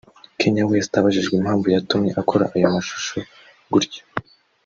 Kanye West abajijwe impamvu yatumye akora ayo mashusho gutyo